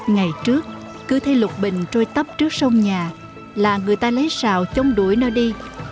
ngày trước cứ thấy lục bình trôi tấp trước sông nhà là người ta lấy xào chống đuổi nó đi